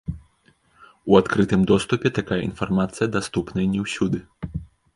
У адкрытым доступе такая інфармацыя даступная не ўсюды.